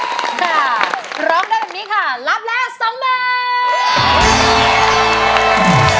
พร้อมได้แบบนี้ค่ะรับแล้ว๒มือ